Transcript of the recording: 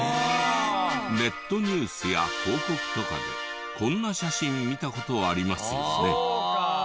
ネットニュースや広告とかでこんな写真見た事ありますよね。